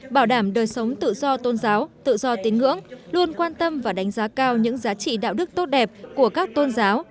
bảo đảm đời sống tự do tôn giáo tự do tín ngưỡng luôn quan tâm và đánh giá cao những giá trị đạo đức tốt đẹp của các tôn giáo